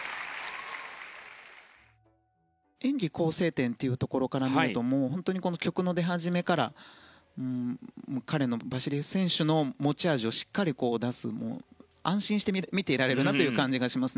演技構成点というところから見ると本当に曲の出始めからバシリエフス選手の持ち味をしっかり出して安心して見ていられる感じがします。